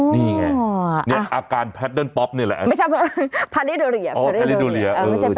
อ้อนี่ไงอาการแพรริโดเรีย